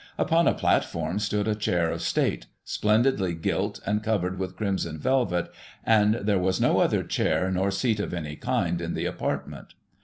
Upon a platform stood a chair of state, splendidly gilt and covered with crimson velvet, and there was no other chair nor seat of any kind in the apartment.